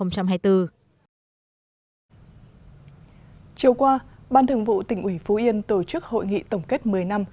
chiều qua ban thường vụ tỉnh ủy phú yên tổ chức hội nghị tổng kết một mươi năm